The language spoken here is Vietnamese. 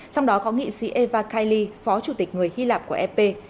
trong đó có nghị sĩ eva kaili phó chủ tịch người hy lạp của ep